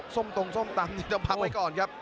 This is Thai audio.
ส้มตรงส้มตำนี่ต้องพักไว้ก่อนครับ